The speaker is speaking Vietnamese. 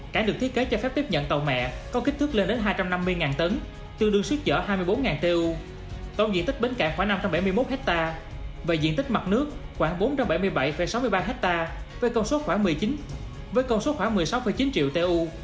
cảng được thiết kế cho phép tiếp nhận tàu mẹ có kích thước lên đến hai trăm năm mươi tấn tương đương xuyết dở hai mươi bốn tu tổng diện tích bến cảng khoảng năm trăm bảy mươi một ha và diện tích mặt nước khoảng bốn trăm bảy mươi bảy sáu mươi ba ha với con số khoảng một mươi sáu chín triệu tu